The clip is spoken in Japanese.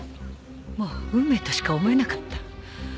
もう運命としか思えなかった。